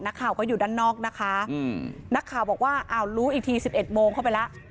นักข่าวก็อยู่ด้านนอกนะคะนักข่าวบอกว่าอ้าวรู้อีกที๑๑โมงเข้าไปแล้ว